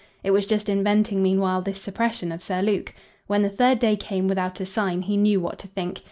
It was just inventing meanwhile this suppression of Sir Luke. When the third day came without a sign he knew what to think.